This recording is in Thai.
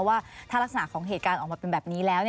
ว่าถ้ารักษณะของเหตุการณ์ออกมาเป็นแบบนี้แล้ว